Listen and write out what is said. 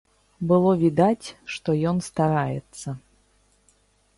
Было відаць, што ён стараецца.